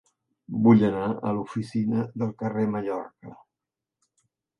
Vull anar a l'oficina del Carrer Mallorca.